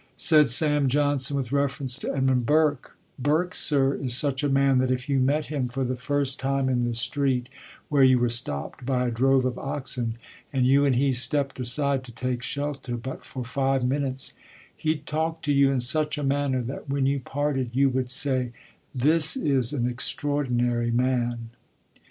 Said Sam Johnson with reference to Edmund Burke: "Burke, sir, is such a man that if you met him for the first time in the street, where you were stopped by a drove of oxen, and you and he stepped aside to take shelter but for five minutes, he'd talk to you in such a manner that when you parted you would say, 'This is an extraordinary man.'"